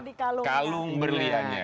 di kalung berliannya ya